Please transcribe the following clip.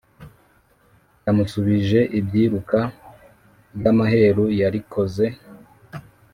Yamusubijeko ibyiruka ryamaheru yarikoze